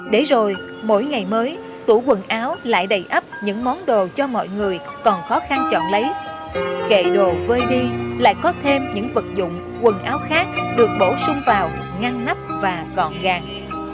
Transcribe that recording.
để rồi mỗi ngày mới tủ quần áo lại đầy ấp những món đồ cho mọi người còn khó khăn chọn lấy kệ đồ vơi đi lại có thêm những vật dụng quần áo khác được bổ sung vào ngăn nắp và gọn gàng